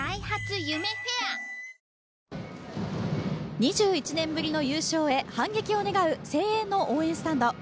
２１年ぶりの優勝へ反撃を願う誠英の応援スタンド。